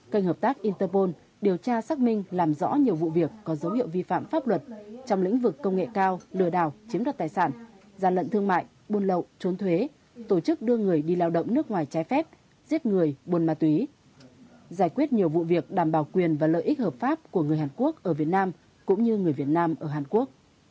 cảnh hợp tác interpol điều tra xác minh làm rõ nhiều vụ việc có dấu hiệu vi phạm pháp luật trong lĩnh vực công nghệ cao lừa đào chiếm đặt tài sản giàn lận thương mại buôn lậu trốn thuế tổ chức đưa người đi lao động nước ngoài trái phép giết người buôn ma túy giải quyết nhiều vụ việc đảm bảo quyền và lợi ích hợp pháp của người hàn quốc ở việt nam cũng như người việt nam ở hàn quốc